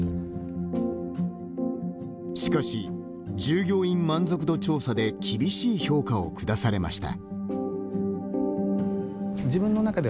しかし、従業員満足度調査で厳しい評価を下されました。